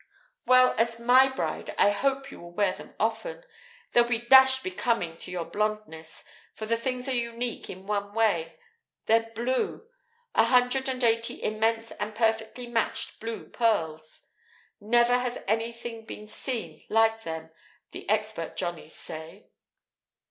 "Well, as my bride I hope you will wear them often. They'll be dashed becoming to your blondness, for the things are unique in one way: they're blue; a hundred and eighty immense and perfectly matched blue pearls. Never has anything been seen like them, the expert johnnies say."